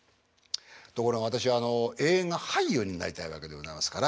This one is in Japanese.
ところが私は映画俳優になりたいわけでございますから。